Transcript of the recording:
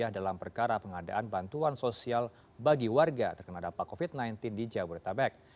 dalam perkara pengadaan bantuan sosial bagi warga terkena dampak covid sembilan belas di jabodetabek